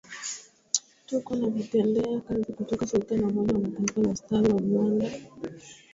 Tuko na Vitendea kazi kutoka Shirika la Umoja wa Mataifa la Ustawi wa Viwanda